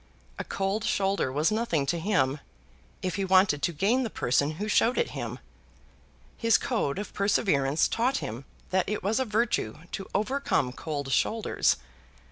A cold shoulder was nothing to him, if he wanted to gain the person who showed it him. His code of perseverance taught him that it was a virtue to overcome cold shoulders.